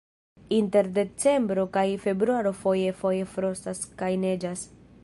Inter decembro kaj februaro foje-foje frostas kaj neĝas.